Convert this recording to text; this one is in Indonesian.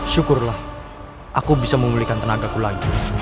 syukurlah aku bisa mengulikan tenaga kuliah